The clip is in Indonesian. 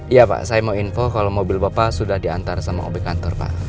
iya pak saya mau info kalau mobil bapak sudah diantar sama oby kantor pak